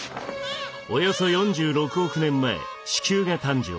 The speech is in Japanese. およそ４６億年前地球が誕生。